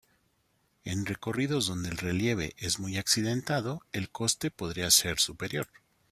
En recorridos donde el relieve es muy accidentado el coste podría ser superior.